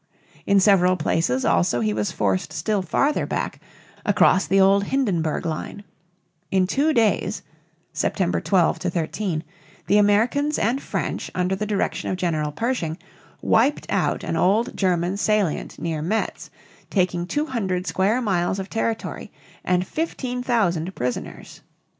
In several places also he was forced still farther back, across the old Hindenburg line. In two days (September 12 13) the Americans and French under the direction of General Pershing wiped out an old German salient near Metz, taking 200 square miles of territory and 15,000 prisoners.